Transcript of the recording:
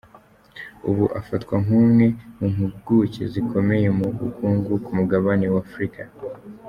Ubu afatwa nk’umwe mu mpuguke zikomeye mu bukungu ku mugabane wa Afurika.